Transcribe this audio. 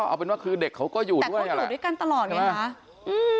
เอาเป็นว่าคือเด็กเขาก็อยู่ด้วยแต่เขาอยู่ด้วยกันตลอดเลยนะใช่ไหม